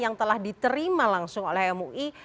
yang telah diterima langsung oleh mui